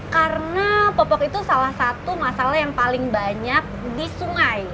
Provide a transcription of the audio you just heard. karena popok itu salah satu masalah yang paling banyak di sungai